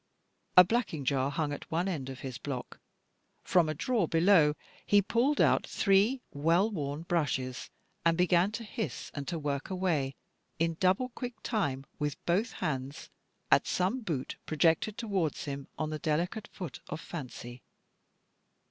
A blacking jar hung at one end of his block; from a drawer below he pulled out three well worn brushes, and began to hiss and to work away, in double quick time, with both hands, at some boot projected towards him on the delicate foot of fancy.